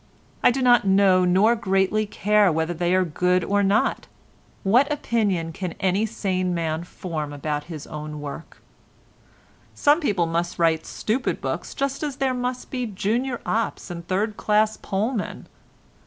I do not know nor greatly care whether they are good or not. What opinion can any sane man form about his own work? Some people must write stupid books just as there must be junior ops and third class poll men.